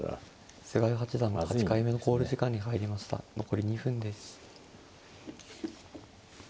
残り２分です。